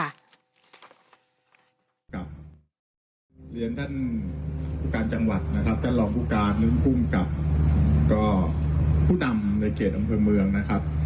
เรียนท่านครูการจังหวัดนะครับท่านรองครูการนึงกุ้มกับคู่นำในเกียรติอำเภอเมืองนะครับ